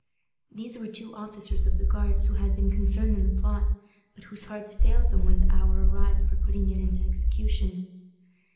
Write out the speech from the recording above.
These were two officers of the Guards who had been concerned in the plot, but whose hearts failed them when the hour arrived for putting it into execution.